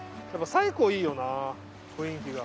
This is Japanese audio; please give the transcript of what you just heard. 西湖いいよな雰囲気が。